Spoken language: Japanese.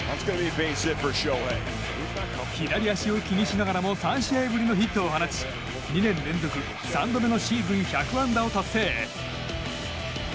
左足を気にしながらも３試合ぶりのヒットを放ち２年連続３度目のシーズン１００安打を達成。